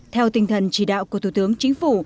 theo tinh thần chỉ đạo của thủ tướng chính phủ